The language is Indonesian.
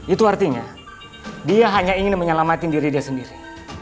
itu artinya dia hanya ingin menyelamatkan diri dia sendiri